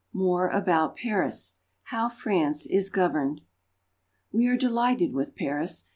MORE ABOUT PARIS — HOW FRANCE IS GOVERNED. WE are delighted with Paris.